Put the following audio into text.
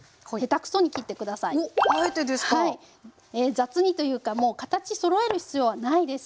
雑にというかもう形そろえる必要はないです。